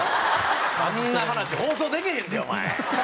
あんな話放送できへんでお前。